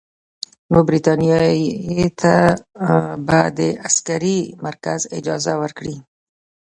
نو برټانیې ته به د عسکري مرکز اجازه ورکړي.